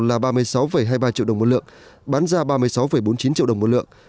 là ba mươi sáu hai mươi ba triệu đồng một lượng bán ra ba mươi sáu bốn mươi chín triệu đồng một lượng